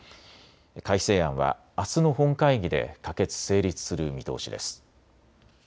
改正案はあすの本会議で可決・成立する見通しです。